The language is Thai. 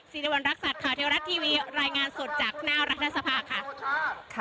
สิริวัณรักษัตริย์ข่าวเทวรัฐทีวีรายงานสดจากหน้ารัฐสภาค่ะ